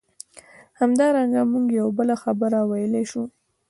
همدارنګه موږ یوه بله خبره ویلای شو.